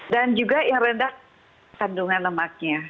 juga yang rendah kandungan lemaknya